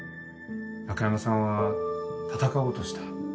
中山さんは戦おうとした。